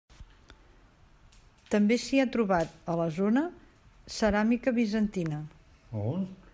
També s'hi ha trobat a la zona ceràmica bizantina.